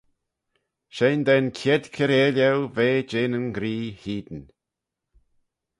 Shegin da'n chied kiarail eu ve jeh nyn ghree hene.